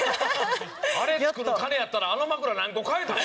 あれ作る金あったらあの枕何個買えた？